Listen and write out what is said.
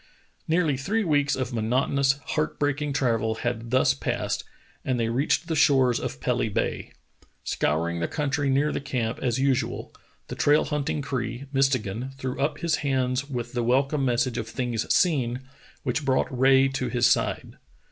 Nearly three weeks of monotonous, heart breaking travel had thus passed, and they reached the shores of Pelly Bay. Scouring the country near the camp as usual, the trail hunting Cree, Mistegan, threw up his hands with the welcome message of things seen, which brought Rae to his side.